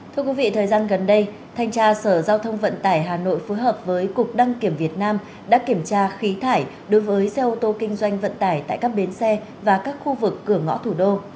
thưa quý vị thời gian gần đây thanh tra sở giao thông vận tải hà nội phối hợp với cục đăng kiểm việt nam đã kiểm tra khí thải đối với xe ô tô kinh doanh vận tải tại các bến xe và các khu vực cửa ngõ thủ đô